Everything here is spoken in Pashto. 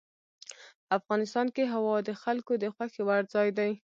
افغانستان کې هوا د خلکو د خوښې وړ ځای دی.